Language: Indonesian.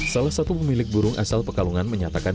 salah satu pemilik burung asal pekalongan menyatakan